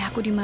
ah tak apa